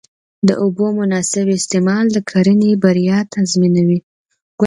د اوبو مناسب استعمال د کرنې بریا تضمینوي.